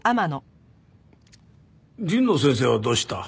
神野先生はどうした？